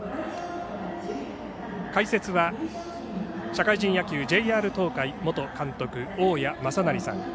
解説は社会人野球、ＪＲ東海元監督大矢正成さん。